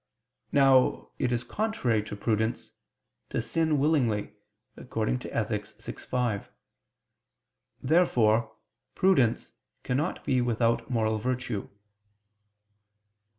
Now it is contrary to prudence "to sin willingly" (Ethic. vi, 5). Therefore prudence cannot be without moral virtue.